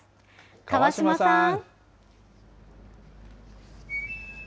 川島さん。